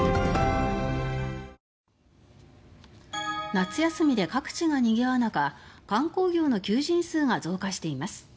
夏休みで各地がにぎわう中観光業の求人数が増加しています。